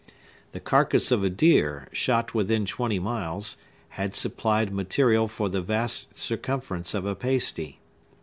The carcass of a deer, shot within twenty miles, had supplied material for the vast circumference of a pasty.